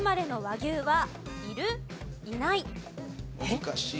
難しい。